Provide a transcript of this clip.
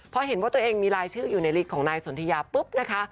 พอเห็นว่าตัวเองมีรายชื่ออยู่ในลิสต์ของนายสนทยาปุ๊บนะคะ